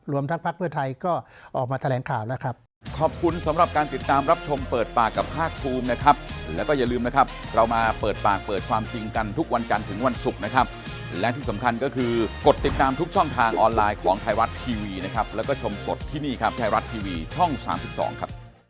รวมทั้งพักเพื่อไทยก็ออกมาแถลงข่าวแล้วครับ